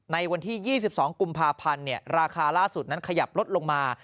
ในวันที่๒๒กุมภาพันธ์ราคาล่าสุดนั้นขยับลดลงมา